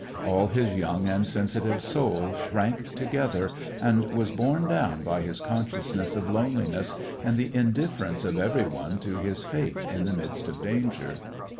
All his young and sensitive soul shrank together, and was borne down by his consciousness of lone liness, and the indifference of every one to his fate in the midst of danger.